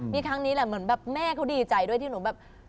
มีครั้งนี้แหละเหมือนแบบแม่เขาดีใจด้วยที่หนูแบบ